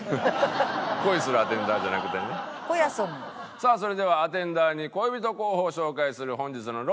さあそれではアテンダーに恋人候補を紹介する本日のロンリーさん